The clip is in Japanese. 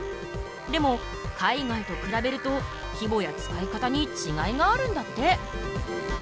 でも海外と比べると規模や使い方にちがいがあるんだって。